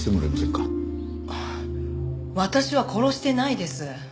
私は殺してないです。